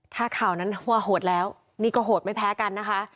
ถ้าข่าวนั้นว่าโหดแล้วนี่ก็โหดไม่แพ้กันนะคะ